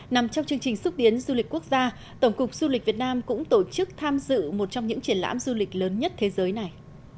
nằm trong chương trình xúc tiến du lịch quốc gia tổng cục du lịch việt nam cũng tổ chức tham dự một trong những triển lãm du lịch lớn nhất thế giới này